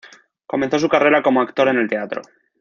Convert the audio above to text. Comenzó su carrera como actor en el teatro.